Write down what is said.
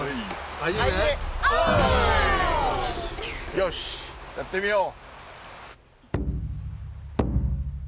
よしやってみよう。